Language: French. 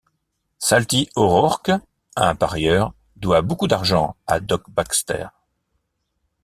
Salty O'Rourke, un parieur, doit beaucoup d'argent à Doc Baxter.